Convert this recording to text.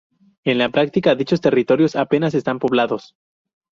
En la práctica, dichos territorios, apenas están poblados.